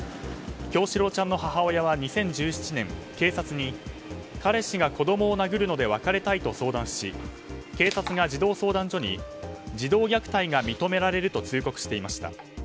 叶志郎ちゃんの母親は２０１７年、警察に彼氏が子供を殴るので別れたいと相談し警察が児童相談所に児童虐待が認められると通告していました。